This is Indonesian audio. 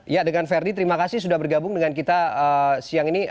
ya dengan verdi terima kasih sudah bergabung dengan kita siang ini